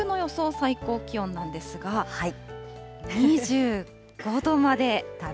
最高気温なんですが、２５度まで。